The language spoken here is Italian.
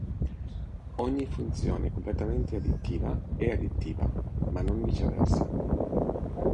Ogni funzione completamente additiva è additiva, ma non viceversa.